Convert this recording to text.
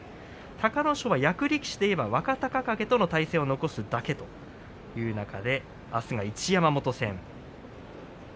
隆の勝は役力士といえば若隆景との対戦を残すだけという中であすが一山本戦。